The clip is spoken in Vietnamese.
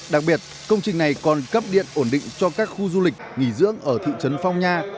đặc biệt công trình này còn cấp điện ổn định cho các khu du lịch nghỉ dưỡng ở thị trấn phong nha